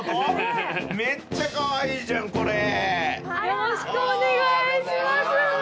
・よろしくお願いします。